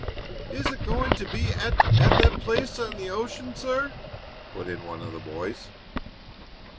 "Is it going to be at at that place on the ocean, sir?" put in one of the boys.